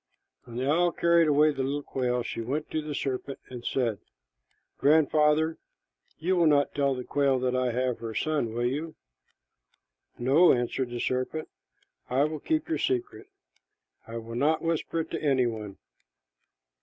When the owl carried away the little quail, she went to the serpent and said, "Grandfather, you will not tell the quail that I have her son, will you?" "No," answered the serpent, "I will keep your secret. I will not whisper it to any one."